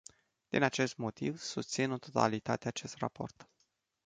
Din acest motiv, susțin în totalitate acest raport.